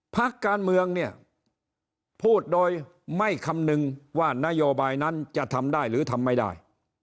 พักการเมืองเนี่ยพูดโดยไม่คำนึงว่านโยบายนั้นจะทำได้หรือทำไม่ได้